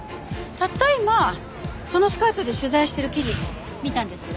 たった今そのスカートで取材してる記事見たんですけど。